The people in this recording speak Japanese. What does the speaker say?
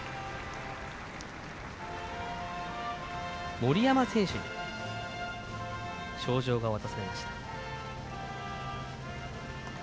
森山選手に表情が渡されました。